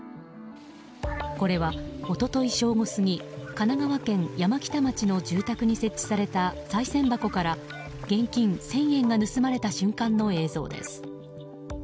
これは一昨日正午過ぎ神奈川県山北町の住宅に設置された、さい銭箱から現金１０００円が盗まれた瞬間の映像です。